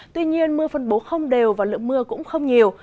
tuy nhiên mưa phân bố không đều và lượng mưa cũng không nhiều